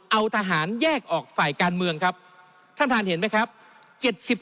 เอาทหารแยกออกฝ่ายการเมืองครับท่านท่านเห็นไหมครับ